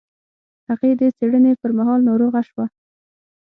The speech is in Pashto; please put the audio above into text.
هغې د څېړنې پر مهال ناروغه شوه.